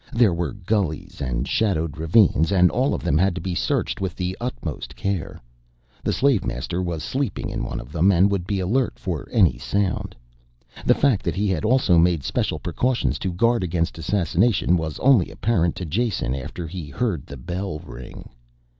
There were gullies and shadowed ravines and all of them had to be searched with utmost care. The slave master was sleeping in one of them and would be alert for any sound. The fact that he had also made special precautions to guard against assassination was only apparent to Jason after he heard the bell ring.